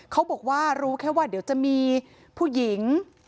เขาบอกว่ารู้แค่ว่าเดี๋ยวจะมีผู้หญิง